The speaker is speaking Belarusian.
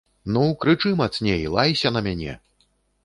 Ну крычы, мацней лайся на мяне.